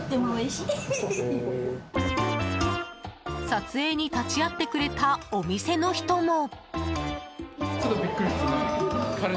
撮影に立ち会ってくれたお店の人も。